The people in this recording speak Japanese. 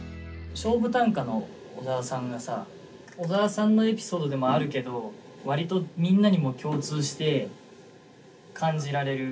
勝負短歌の小沢さんがさ小沢さんのエピソードでもあるけど割とみんなにも共通して感じられる。